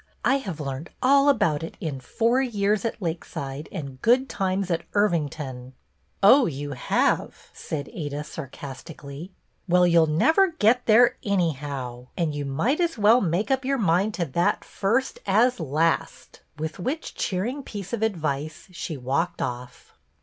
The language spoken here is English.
I have learned all about it in 'Four Years at Lakeside' and 'Good Times at Irvington.'" " Oh, you have !" said Ada, sarcastically. " Well, you 'll never get there, anyhow, and you might as well make up your mind to BETTY HEARS GREAT NEWS 3 that first as last; " with which cheering piece of advice she walked off.